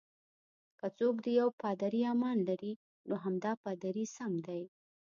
که څوک د یو پادري ارمان لري، نو همدا پادري سم دی.